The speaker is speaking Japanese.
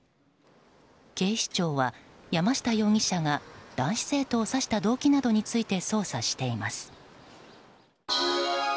警視庁は、山下容疑者が男子生徒を刺した動機などについて捜査しています。